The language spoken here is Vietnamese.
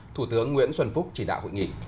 thủ tướng nguyễn xuân phúc chỉ đạo hội nghị